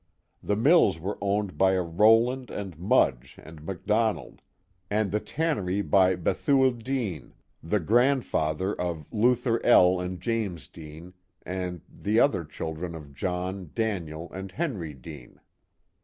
The mills were owned by a Rowland and Mudge and McDonald. 4O0 The Mohawk Valley and the tannery.' by Bethuel Dean, the grandfather of Luthn L. and James Dean, and the other children of John, Daniel, and Henry Dean.